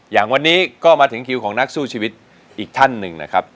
อย่างวันนี้ก็มาถึงคิวของนักสู้ชีวิตอีกท่านหนึ่งนะครับ